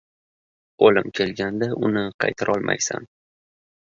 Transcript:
• O‘lim kelganda uni qaytarolmaysan.